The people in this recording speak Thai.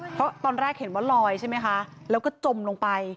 เพราะตอนแรกเห็นว่าลอยใช่ไหมคะแล้วก็จมลงไป